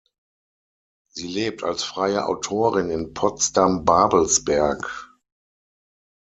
Sie lebt als freie Autorin in Potsdam-Babelsberg.